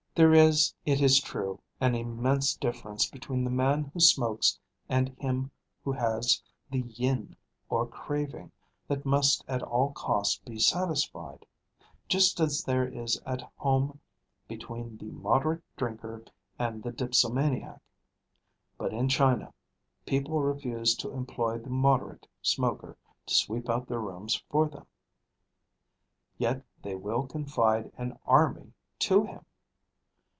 _] There is, it is true, an immense difference between the man who smokes and him who has the yin, or craving, that must at all costs be satisfied; just as there is at home between the moderate drinker and the dipsomaniac. But in China people refuse to employ the moderate smoker to sweep out their rooms for them. Yet they will confide an army to him!